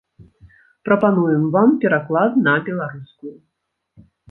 Прапануем вам пераклад на беларускую.